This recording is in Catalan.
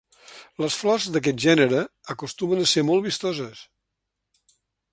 Les flors d'aquest gènere acostumen a ser molt vistoses.